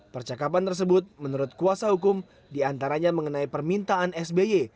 percakapan tersebut menurut kuasa hukum diantaranya mengenai permintaan sby